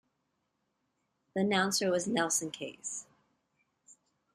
The announcer was Nelson Case.